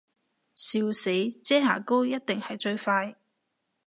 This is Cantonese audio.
笑死，遮瑕膏一定係最快